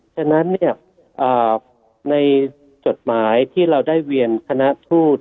ฉะนั้นในจดหมายที่เราได้เวียนคณะทูต